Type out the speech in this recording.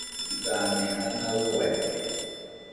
Dane ana uaide